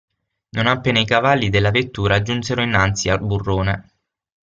Non appena i cavalli della vettura giunsero innanzi al burrone.